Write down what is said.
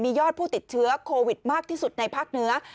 ยอดผู้ติดเชื้อโควิดมากที่สุดในภาคเหนือ